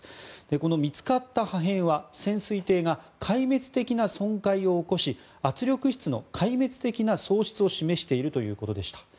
この見つかった破片は潜水艇が壊滅的な損壊を起こし圧力室の壊滅的な喪失を示しているということでした。